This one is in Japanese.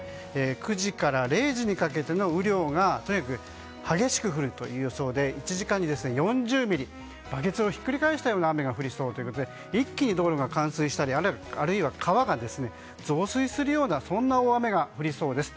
９時から０時にかけての雨量がとにかく激しく降るという予想で１時間に４０ミリとバケツをひっくり返したような雨が降りそうで一気に道路が冠水したりあるいは川が増水するようなそんな大雨が降りそうです。